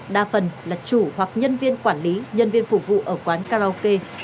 đa phần là chủ hoặc nhân viên quản lý nhân viên phục vụ ở quán karaoke